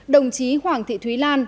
hai đồng chí hoàng thị thúy lan